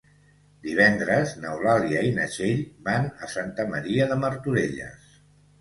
Divendres n'Eulàlia i na Txell van a Santa Maria de Martorelles.